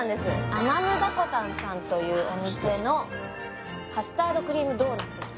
アマムダコタンさんというお店のカスタードクリームドーナツです